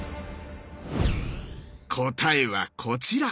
答えはこちら！